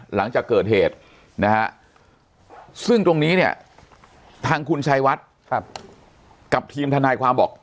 หลังจากเกิดเหตุนะฮะซึ่งตรงนี้เนี่ยทางคุณชายวัดกับทีมทนายความบอก